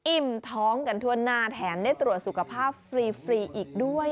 อิ่มท้องกันทั่วหน้าแถมได้ตรวจสุขภาพฟรีอีกด้วย